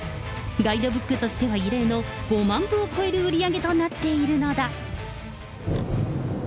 ガイドブックとしては異例の５万部を超える売り上げとなっているのだ。